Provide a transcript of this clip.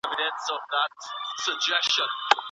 مېلمستیا بې لګښته نه وي.